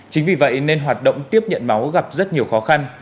chính vì vậy nên hoạt động tiếp nhận máu gặp rất nhiều khó khăn